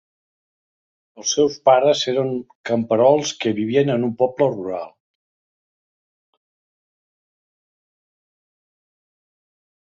Els seus pares eren camperols que vivien en un poble rural.